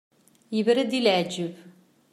Yebra-d i leɛǧeb.